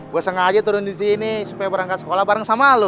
lo bisa gak aja turun di sini supaya berangkat sekolah bareng sama lo